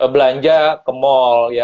belanja ke mall